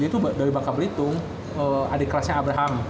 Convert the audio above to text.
dia tuh dari bakal berhitung adik kelasnya abraham